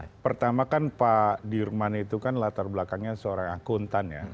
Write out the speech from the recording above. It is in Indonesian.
ya pertama kan pak dirman itu kan latar belakangnya seorang akuntan ya